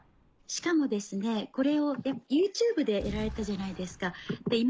しかもこれをＹｏｕＴｕｂｅでやられたじゃないですか。